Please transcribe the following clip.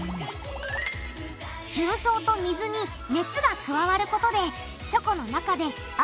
重曹と水に熱が加わることでチョコの中であ